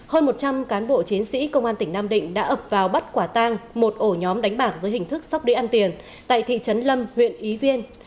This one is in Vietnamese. hơn một trăm linh cán bộ chiến sĩ công an tỉnh nam định đã ập vào bắt quả tang một ổ nhóm đánh bạc dưới hình thức sóc đĩa ăn tiền tại thị trấn lâm huyện ý viên